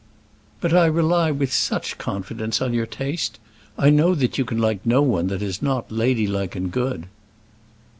"But I rely with such confidence on your taste. I know that you can like no one that is not lady like and good."